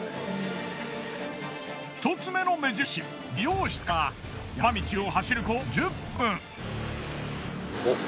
１つ目の目印美容室から山道を走ること１０分。